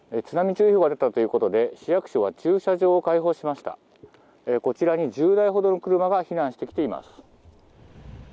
津波注意報と言われたということで、市役所は駐車場を開放しましたこちら２０台ほどの車が避難してきています。